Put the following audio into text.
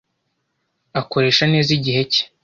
Akoresha neza igihe cye.